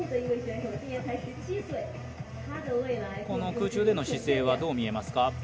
この空中での姿勢はどう見えますか？